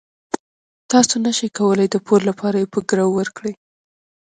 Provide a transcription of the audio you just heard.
تاسو نشئ کولای د پور لپاره یې په ګرو ورکړئ.